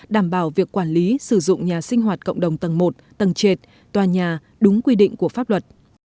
đảm bảo việc quản lý sử dụng nhà sinh hoạt cộng đồng tầng một tầng trệt tòa nhà đúng quy định của pháp luật